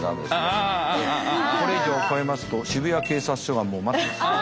これ以上超えますと渋谷警察署が待ってます。